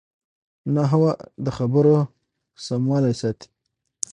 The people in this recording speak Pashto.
نحوه د خبرو سموالی ساتي.